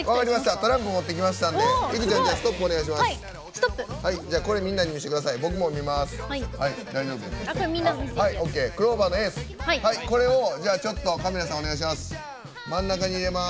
トランプ持って来ましたんでいくちゃん、ストップお願いします。